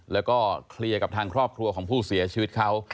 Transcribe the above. แล้วก็เคลียร์กับทางครอบครัวของผู้เสียชีวิตเขา